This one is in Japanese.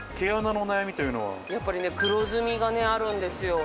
やっぱり黒ずみがあるんですよ。